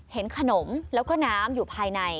เห็นขนมแล้วก็น้ำอยู่ภายใน